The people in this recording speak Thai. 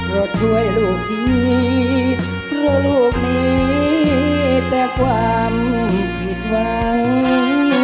ขอช่วยลูกดีเพราะลูกมีแต่ความผิดหวังมี